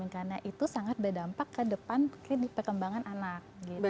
karena itu sangat berdampak ke depan kredit perkembangan anak